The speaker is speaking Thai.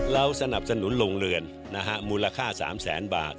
เราสนับสนุนโรงเรือนนะฮะมูลค่า๓๐๐๐๐๐บาท